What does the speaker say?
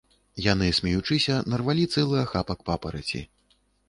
Яны, смеючыся, нарвалі цэлы ахапак папараці.